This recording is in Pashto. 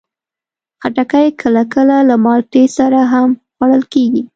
خټکی کله کله له مالګې سره هم خوړل کېږي.